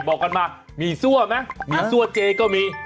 บอกกันมาหมี่ซั่วไหมหมี่ซั่วเจก็มี